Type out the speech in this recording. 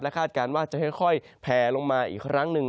คาดการณ์ว่าจะค่อยแผลลงมาอีกครั้งหนึ่ง